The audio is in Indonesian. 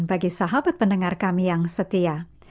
bagi sahabat pendengar kami yang setia